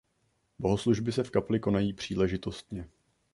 Bohoslužby se v kapli konají příležitostně.